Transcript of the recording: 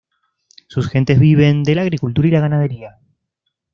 Sus gentes viven de la agricultura y la ganadería.